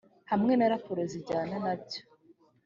hamwe na raporo zijyana na byo